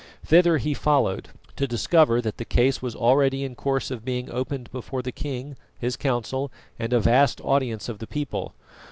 Thither he followed to discover that the case was already in course of being opened before the king, his council, and a vast audience of the people.